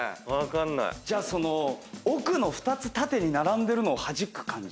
じゃあその奥の２つ縦に並んでるのをはじく感じ。